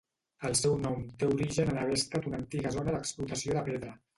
El seu nom té origen en haver estat una antiga zona d'explotació de pedra.